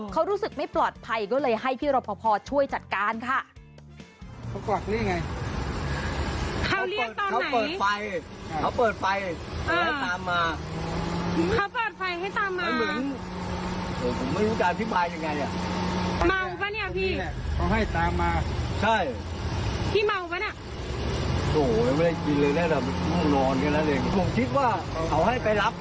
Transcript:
เขารู้สึกไม่ปลอดภัยก็เลยให้พี่รพพอช่วยจัดการค่ะ